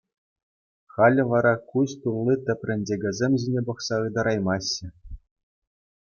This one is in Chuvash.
Халӗ вара куҫ тулли тӗпренчӗкӗсем ҫине пӑхса ытараймаҫҫӗ.